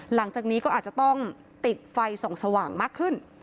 หลังจากนี้ก็อาจจะต้องติดไฟส่องสว่างมากขึ้น